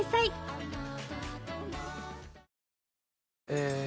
え